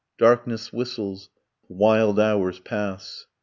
. Darkness whistles ... Wild hours pass